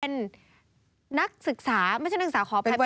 เป็นนักศึกษาเมื่อเช่นนึงสาขอเภยมักศึกษา